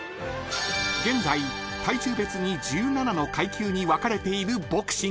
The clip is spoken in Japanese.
［現在体重別に１７の階級に分かれているボクシング］